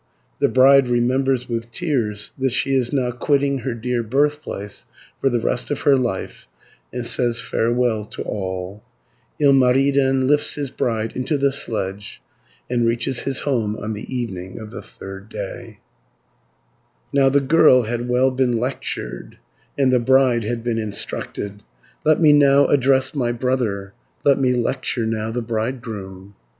The bride remembers with tears that she is now quitting her dear birthplace for the rest of her life, and says farewell to all (297 462). Ilmarinen lifts his bride into the sledge and reaches his home on the evening of the third day (463 528). Now the girl had well been lectured, And the bride had been instructed; Let me now address my brother, Let me lecture now the bridegroom.